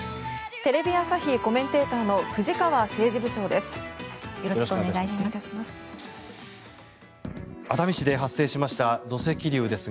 テレビ朝日コメンテーターの藤川政治部長です。